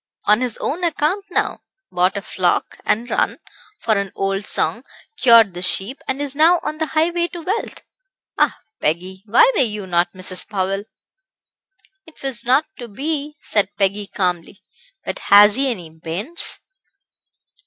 On his own account now. Bought a flock and run, for an old song; cured the sheep; and is now on the highway to wealth. Ah! Peggy, why were you not Mrs Powell?" "It was not to be," said Peggy, calmly; "but has he any bairns?"